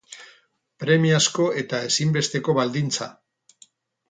Premiazko eta ezinbesteko baldintza.